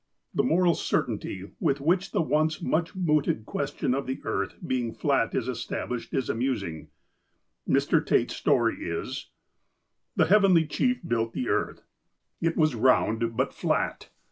The moral certainty with which the once much mooted question of the earth being fiat is established is amusing. Mr. Tait's story is :" The Heavenly Chief built the earth. It was round, 101 102 THE APOSTLE OF ALASKA but flat.